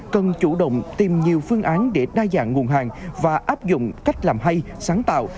cần chủ động tìm nhiều phương án để đa dạng nguồn hàng và áp dụng cách làm hay sáng tạo